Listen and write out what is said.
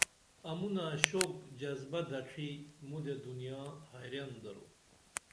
امُونہ شوق جذبہ دڇی مُدے دنیا حیران درو